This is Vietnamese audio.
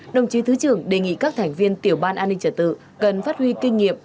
đồng chí thứ trưởng đề nghị các thành viên tiểu ban an ninh trật tự cần phát huy kinh nghiệm